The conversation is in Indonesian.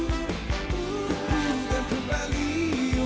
tepukan kembali untukmu